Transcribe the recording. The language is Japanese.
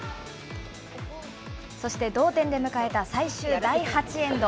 そして同点で迎えた最終第８エンド。